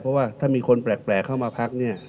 เพราะว่าถ้ามีคนแปลกเข้ามาพักเนี่ย